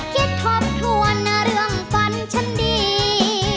ทบทวนนะเรื่องฝันฉันดี